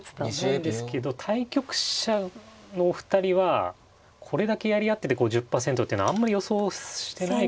なんですけど対局者のお二人はこれだけやり合ってて５０％っていうのはあんまり予想してないかもしれないですね。